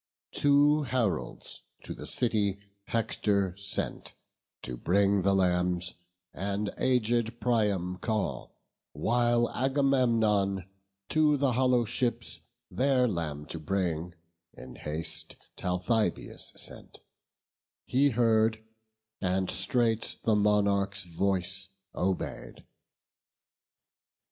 Two heralds to the city Hector sent To bring the lambs, and aged Priam call; While Agamemnon to the hollow ships, Their lamb to bring, in haste Talthybius sent: He heard, and straight the monarch's voice obey'd.